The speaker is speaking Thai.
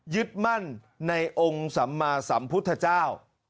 ยึดมั่นในองค์สัมมาสัมพุทธเจ้า